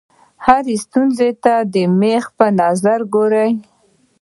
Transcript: هرې ستونزې ته د مېخ په نظر وګورئ.